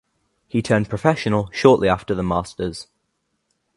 He turned professional shortly after the Masters.